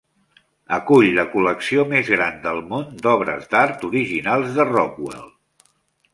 Acull la col·lecció més gran del món d'obres d'art originals de Rockwell.